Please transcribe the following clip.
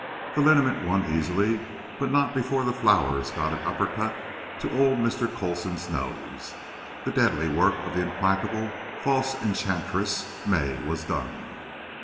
The liniment won easily; but not before the flowers got an uppercut to old Mr. Coulson's nose. The deadly work of the implacable, false enchantress May was done.